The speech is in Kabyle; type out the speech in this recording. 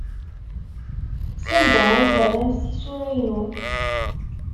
Sanda ay terramt tisura-inu?